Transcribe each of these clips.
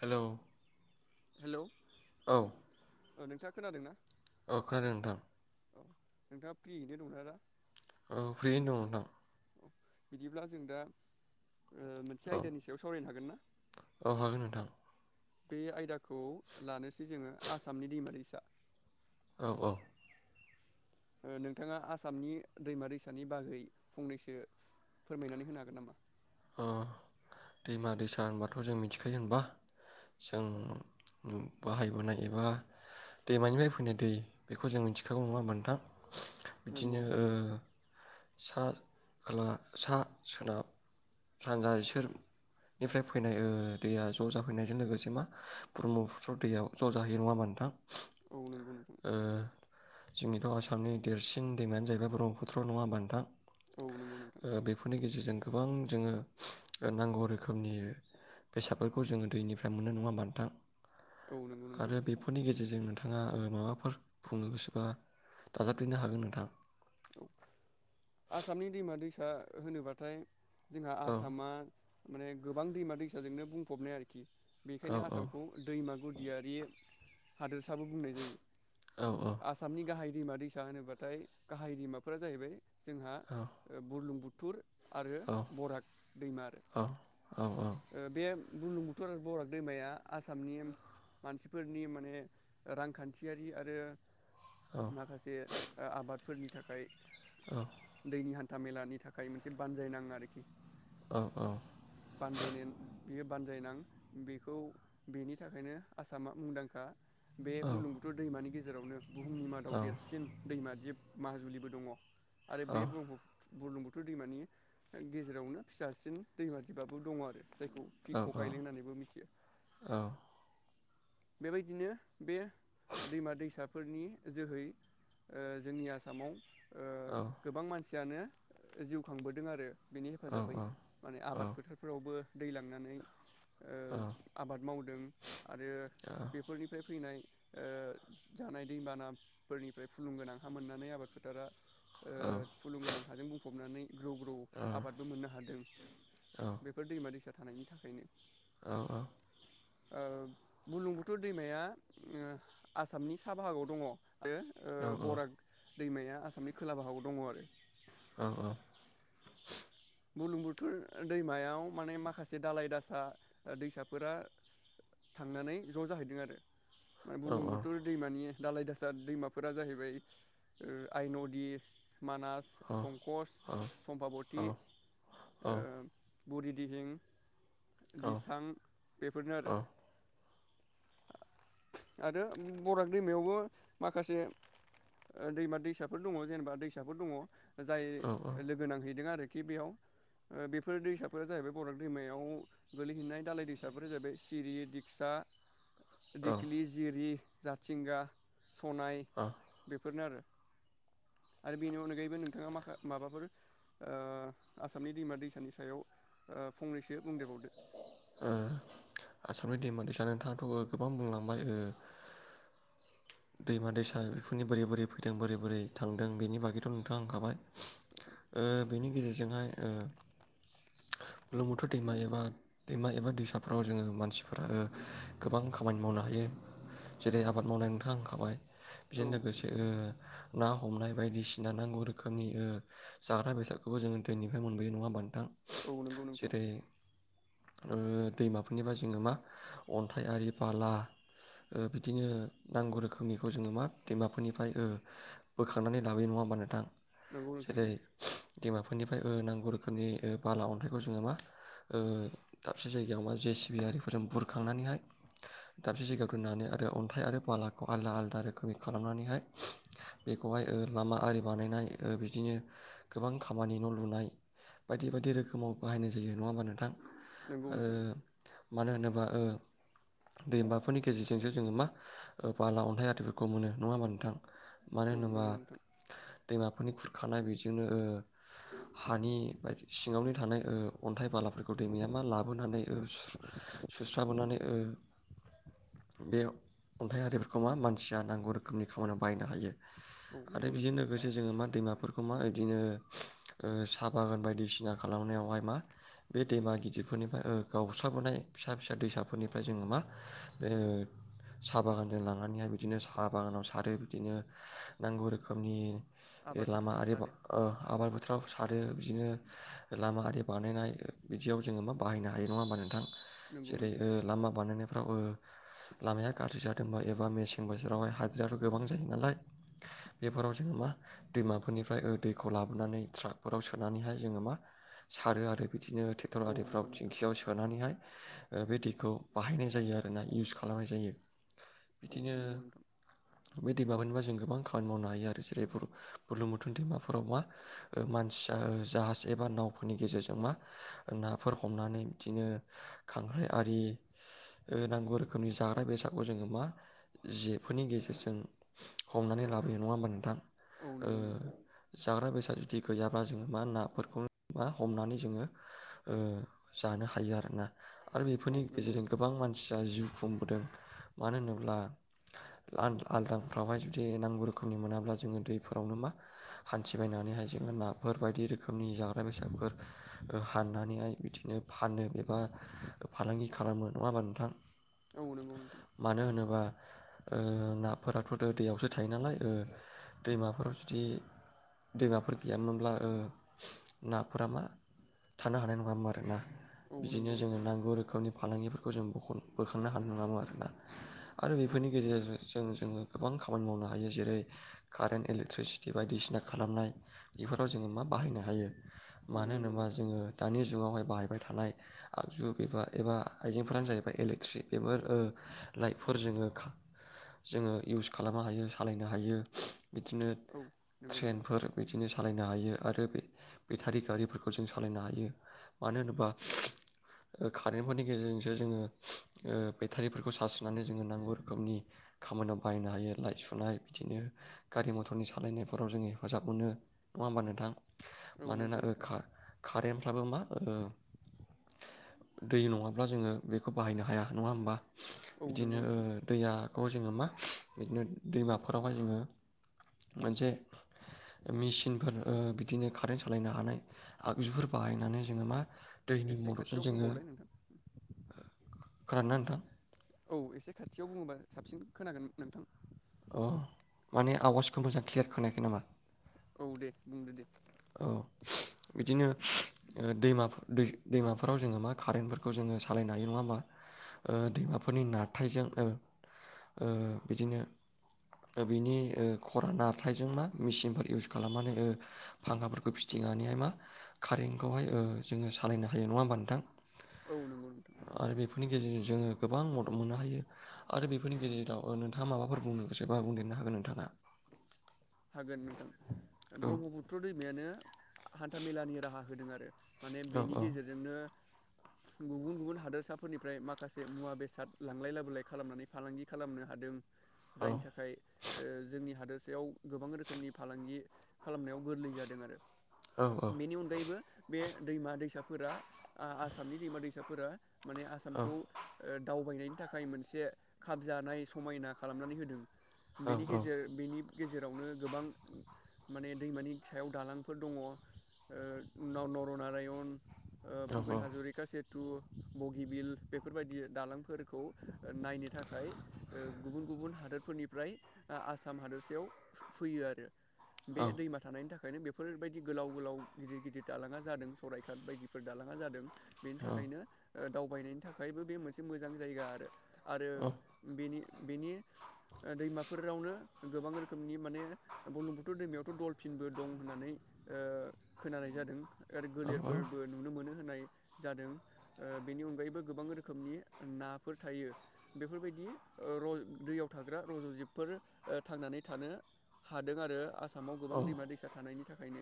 हेल' hello औ औ नोंथाङा खोनादों ना अ खोनादों नोंथां औ नोंथाङा फ्रियैनो दंना दा औ फ्रियैनो दं नोथां बिदिब्ला जों दा मोनसे औ आयदानि सायाव सावरायनो हागोन ना औ हागोन नोंथां बे आयदाखौ लानोसै जोङो आसामनि दैमा दैसा औ औ। ओ नोंथाङा आसामनि दैमा दैसानि बागै फंनैसो फोरमायनानै होनो हागोन नामा। अ दैमा दैसा होनबाथ' जों मिथिखायो होनबा जों बाहायबोनाय एबा दैमानिफ्राय फैनाय दै बेखौ जों मिथिखागौ नङा होमबा नोंथां। नंगौ बिदिनो ओ नोंथां सा खोला सा सोनाब सानजा इसोरनिफ्राय फैनाय ओ दैया ज' जाफैनायजों लोगोसे मा ब्रह्मपुत्र दैयाव ज' जाहैयो नङा होमबा नोंथां। औ नंगौ नोंथां। ओ जोंनिथ' आसामनि देरसिन दैमायानो जाहैबाय ब्रह्मपुत्र नङा होमबा नोंथां। औ नंगौ नोंथां ओ बेफोरनि गेजेरजों गोबां जोङो नांगौ रोखोमनि बेसादफोरखौ जोङो दैनिफ्राय मोनो नङा होमबा नोंथां। औ नंगौ नोंथां आरो औ बेफोरनि गेजेरजों नोंथां [unintelligible] माबाफोर बुंनो गोसोबा दाजाबदेरनो हागोन नोंथां। दा होनोबाथाय जोंहा औ आसामा माने गोबां दैमा दैसाजोंनो बुंफबनाय आरोखि औ बेखायनो औ आसामखौ दैमा गुदियारि हादोरसाबो बुंनाय जायो औ आसामनि गाहाय। दैमा दैसा होनोबाथाय गाहाय दैमाफोरा जाहैबाय जोंहा बुरलुंबु थुर। आरो औ बराग दैमा आरो। औ ओ बे बुलुंबुथुर बराग दैमाया आसामनि मानसिफोरनि माने रांखान्थियारि आरो माखासे ओ आबाद फोरनि थाखाय दैनि हा हान्थामेलानि थाखाय मोनसे बानजाय नाङो आरोखि। औ औ। बानजायनो बेयो बानजायनां बेखौ बेनि थाखायनो आसामा मुंदांखा। बे बुरलुंबुथुर दैमानि गेजेर जेरावनो बुहुमनि मादाव औ देरसिन दैमा। दिब माजुलिबो दङ। आरो औ बे ब्रह्मफु बुरलुंबुथुर दैमानि गेजेरावनो फिसासिन दैमा दिबा बो दङ आरो जाय औ औ [unintelligible] मिथियो। औ बेबायदिनो बे दैमा दैसाफोरनि जोहै जोंनि आसामाव गोबां मानसि जानो जिउ खांबोदों आरो बेनि हेफाजाबै माने आबाद फोथारफोरावबो दै लांनानै ओ आबाद मावदों आरो बेफोरनिफ्राय फैनाय ओ जानाय दैबानाफोरनिफ्राय फुलुं गोनां हा मोननानै आबाद फोथारा ओ फुलुंगोनां हाजों बुंफबनानै ग्रौ ग्रौ आबादबो मोननो हादों बेफोर दैमा दैसा थानायनि थाखायनो औ औ ओ बुलुं बुथुर दैमाया आसामनि सा बाहागोआव दङ [unintelligible] बरा दैमाया आसामनि खोला बाहागाव दङ आरो औ औ बुलुं बुथुर दैमायाव माने माखासे दालाय दासा दैसाफोरा थांनानै ज' जाहैदों आरो माने बुलुं बुथोर दैमानि दालाय दासा दैमाफोरा जाहैबाय आइन'दि मानास संकस सम्भाबति ओ बरि दिहिं दिसां बेफोरनो आरो आरो बराग दैमायावबो माखासे दैमा दैसाफोर दङ जेनेबा दैसाफोर दङ जाय लोगो नांहैदों आरो खि बेयाव बेफोर दैसाफोरा जाहैबाय बराग दैमायाव गोलैहैनाय दाालाय दैसाफोर जाहैबाय सिरि दिगसा औ दिकलि जिरि जाथिंगा सनाय औ बे फोरनो आरो बेनि अनगायैबो नोंथाङा माख माबाफोर ओ ओ आसामनि दैमा दैसानि सायाव फंनैसो बुंदेरबावदो ओ आसामनि दैमा दैसा नोंथाङाथ' गोबां बुंलांबाय ओ दैमा दैसा बेफोरनि बोरै बोरै फैदों बोरै बोरै थांदों बेनि बागैथ' नोंथाङा होनांखाबाय ओ बेनि गेजेरजोंहाय ओ बुलुरलुमबुथुर दैमा एबा दैमा एबा दैसाफ्राव जोङो मानसिफोर गोबां खामानि मावनो हायो जेरै आबाद मावनाय नोंथाङ हांखाबाय औ बेजों लोगोसे ओ ना हमनाय बायदिसिना नांगौ रोखोमनि ओ जाग्रा बेसादखौबो जोङो दैनिफ्राय मोनबोयो नङा होनबा नोंथां? औ नंगौ नोंथां। जेरै ओ दैमाफोरनिफ्राय जोङो मा अन्थाइ आरि बाला ओ बिदिनो नांगौ रोखोमनिखौ जोङो मा दैमाफोरनिफ्राय ओ बोखांनानै लाबोयो नङा होमबा नोंथां? नंगौ नोंथां। जेरै दैमाफोरनिफ्राय ओ नांगौ रोखोमनि ओ बाला अन्थाइखौ जोङो मा ओ दाबसे जायगायाव मा जे सि बि आरिफोरजों बुरखांनानैहाय दाबसे जायगायाव दोननानै आरो अन्थाइ आरो बालाखौ आलादा आलदा रोखोमनि खालामनानैहाय बेखौहाय ओ लामा आरि बानायनाय ओ बिदिनो गोबां खामानि न' लुनाय बायदि बायदि रोखोमाव बाहायनाय जायो नङा होमबा नोंथां? नंगौ ओ नोंथां मानो होनो ब्ला ओ दैमाफोरनि गेजेरजोंसो जोङो मा ओ बाला अन्थाइ आरिफोरखौ मोनो नङा होमबा नोंथां। मानो औ होनोबा नंगौ नोंथां दैमाफोरनि खुर खानाय बेजोंनो ओ हानि बायदि सिङावनो थानाय ओ अन्थाइ बालाफोरखौ दैमाया मा लाबो लाबोनानै ओ सु-सुस्रांबोनानै ओ बे अन्थाइ आरिफोरखौ मा मानसिया नांगौ रोखोमनि खामानियाव बाहायनो हायो। औ आरो नंगौ बेजों नोंथां लोगोसे जोङो मा दैमा फोरखौ मा इदिनो ओ साहा बागान बायदिसिना खालामनायावहाय मा बे दैमा गिदिर बेफोरनिफ्राय ओ गावस्राबोनाय फिसा फिसा दैसाफोरनिफ्राय जोङो मा बे ओ साहा बागानजों लांनानैहाय बिदिनो साहा बागानाव सारो बिदिनो नांगौ रोखोमनि आबाद लामा फोथारफ्राव आरि सारो ओ आबाद बोथोराव सारो बिदिनो लामा आरि बानायनाय बिदियाव जोङो मा बाहायनो हायो नङा होमबा नोंथां? नंगौ जेरै नोंथां ओ लामा बानायनायफ्राव ओ लामाया गाज्रि जादोंबा एबा मेसें बोथोरावहाय हादिराबो गोबां जायो नालाय, बेफोराव जोङो मा दैमाफोरनिफ्राय दैखौ लाबोनानै ट्राकफोराव सोनानैहाय जोङो मा सारो आरो बि बिदिनो ट्रेक्टर औ नंगौ आरिफ्राव नोंथां थिंखियाव सोनानैहाय ओ बे दैखौ बाहायनाय जायो आरो ना इउस खालामनाय जायो। औ बिदिनो नंगौ नोंथां बै दैमाफोरनि [unintelligible] जों गोबां खामानि मावनो हायो आरो जेरै बुर्लुंबुथुर दैमाफोराव मा ओ मानसि जाहाज एबा नावफोरनि गेजेरजों मा ओ नाफोर हमनानै बिदिनो खांख्राइ आरि ओ नांगौ रोखोमनि जाग्रााय बेसादखौ जोङो मा जेफोरनि गेजेरजों हमनानै लाबोयो नङा होमबा नोंथां? औ ओ नंगौ नोंथां जाग्रा बेसाद खेथि गैयाब्ला जोङो मा नाफोरखौ मा हमनानै जोङो ओ जानो हायो आरोना। आरो औ बेफोरनि नंगौ गेजेरजों नोंथां गोबां मानसिया जिउ खुंबोदों मानो होनोब्ला [unintelligible] आलदाफ्रावहाय जुदि नांगौ रोखोमनि मोनाब्ला जोङो दैफोरावनो मा हान्थिबायनानैहाय जोङो नाफोर बायदि रोखोमनि जाग्रा बेसादफोर ओ हाननानैहाय बिदि बिदिनो फानो एबा फालांगि खालामो नङा होमबा नोंथां? औ नंगौ नोंथां। मानो होनोबा ओ नाफोराथ' दैयावसो थायो नालाय ओ दैमाफोराव जुदि दैमाफोर गैयामोनब्ला ओ नाफोरा मा थानो हानाय नङामोन। दा औ [unintelligible] बिदिनो नंगौ जोंङो नोंथां नांगौ रोखोमनि फालांगि बे खौ जों ब बोखांनो हानाय नामो आरोना आरो औ बेफोरनि नंगौ गेजेरजों नोंथां जों जोङो गोबां खामानि मावनो हायो जेरै कारेन्ट इलेक्ट्रिसिटि बायदिसिना खालामनाय बेफोराव जोङो मा बाहायनो हायो औ मानो नंगौ होनोबा नोंथां जोङो दानि जुगावहाय बाहायबाय थानाय आगजु एबा एबा आइजेंफोरानो जाहैबाय इलेक्ट्रिक बेफोर लाइटफोर जोङो जोङो इउस खालामनो हायो सालायनो हायो बिदिनो औ नंगौ ट्रेनफोर बिदिनो सालायनो नो हायो आरो बे बेटारि गारिफोरखौ जों सालायनो हायो मानो होनोबा कारेन्टफोरनि गेजेरजोंसो जोङो ओ बेटारिफोरखौ सार्च होनानै जोङो नांगौ रोखोमनि खामानियाव बाहायनो हायो लाइट सुनाय बिदिनो गारि मथरनि सालायनायफोराव जोङो हेफाजाब मोनो नङा होमबा नोंथां मानोनाओ नोंथां का कारेन्ट हाबा मा ओ दै नङाब्ला जोङो बेखौ बाहायनो हाया नङा होमबा औ बिदिनो नंगौ ओ नोंथां दैया औ जोङो मा बिदिनो दैमाफोरावहाय जोङो मोनसे मिसिनफोर ओ बिदिनो कारेन्ट सालायनो हानाय आगजुफोर बाहायनानै जोङो मा दैनि एसे मददजों खाथियाव जोङो बुंबावलाय नोंथां खोनादोंना नोंथां? औ एसे खाथियाव बुङोबा साबसिन खोनागोन नोंथां। अ माने आवाजखौ मोजां क्लियार खोनायाखै नामा? औ दे बुंदो दे। औ बिदिनो ओ दैमाफो-दै-दैमाफोराव जोङो मा कारेन्टफोरखौ जोङो सालायनो हायो नङा ओ होमबा दैमाफोरनि नारथायजों ओ बिदिनो बिनि ओ खरा नारथायजों मा मेचिनफोर इउस खालामनानै ओ फांखाफोरखौ फिथिंनानैहाय मा कारेन्टखौहाय ओ जोङो सालायनो हायो नङा होमबा नोंथां औ नंगौ नोंथां आरो बेफोरनि गेजेरजों जोङो गोबां मदद मोननो हायो आरो बेफोरनि गेजेराव ओ नोंथाङा माबाफोर बुंनो गोसो बा बुंदेरनो हागोन नोंथाङा? हागोन नोंथां औ ब्रह्मपुत्र दै। मायानो हान्था मेलानि राहा होदों आरो। माने औ बेनि औ गेजेरजोंनो। गुबुन -गुबुन हादोरसाफोरनिफ्राय माखासे मुवा बेसाद लांलाय लाबोलाय खालामनानै फालांगि खालामनो हादों। औ जायनि थाखाय ओ जोंनि हादोर बेयाव गोबां रोखोमनि फालांगि खालामनायाव गोरलै जादों आरो। औ औ बेनि अनगायैबो बे दैमा-दैसाफोरा आ आसामनि दैमा-दैसाफोरा, माने औ आसामखौ दावबायनायनि थाखाय मोनसे खाब जानाय समायना खालामनानै होदों। बेनि गेजेर बिनि गेजेर फोरावनो गोबां माने दैमानि सायाव दालांफोर दङ ओ नर नरनारायण ओ भुपेन हाज'रिका से [inaudible] फैयो आरो बे औ दैमा थानायनि थाखाय ओंखायनो बेफोरबायदि गोलाव गोलाव गिदिर गिदिर दालाङा जादों सौरायकाट बायदिफोर दालाङा जादों बेनि थाखायनो ओ दावबायनायनि थाखायबो बे मोनसे मोजां जायगा आरो आरो बेनि बेनि दैमाफोरावनो गोबां रोखोम रोखोमनि माने बलुं बुथुर दैमायावथ' दलफिनबो दं होननानै खोनानाय जादों आरो औ गलेरफोरबो नुनो मोनो होनाय जादों बेनि अनगायैबो गोबां रोखोमनि नाफोर थायो बेफोरबायदि दैयाव रज थाग्रा रज'जबफोर थांनानै थानो हादों आरो आसाम आसामाव गोबां औ दैमा दैसा थानायनि थाखाय [inaudible]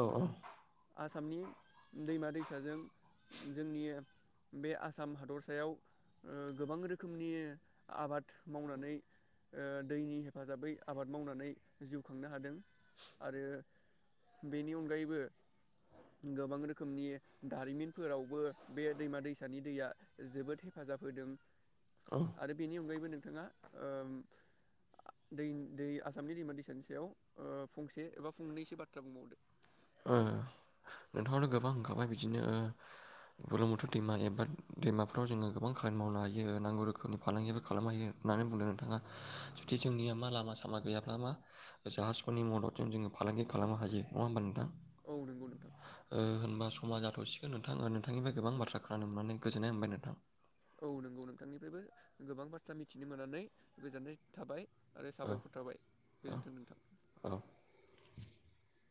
औ औ आसामनि दैमा दैसाजों जोंनि बे आसाम हादरसायाव गोबां रोखोमनि आबाद मावनानै दैनि हेफाजाबै [inaudible] [inaudible] औ नोंथाङावनो गोबां होनखाबाय बिदिनो औ बुरलुंबुथुर दैमा एबा दैमाफ्राव जोङो गोबां खामानि मावनो हायो नांगौ रोखोमनि फालांगिबो खालामनो हायो होननानै बुंदों नोंथाङा जुदि जोंनिया मा लामा सामा गैयाब्ला मा जाहाजफोरनि मददजों जोङो फालांगि खालामनो हायो नङा होमबा नोंथां? [inaudible] औ नंगौ नोंथां ओ होनबा सम समाज जाथ'सिगोन नोंथांा आरो नोंथांनिफ्राय गोबां बाथ्रा खोनानो मोननानै गोजोननाय मोनबाय नोंथां [inaudible] आरो साबायखर औ थाबाय औ गोजोन्थों नोंथां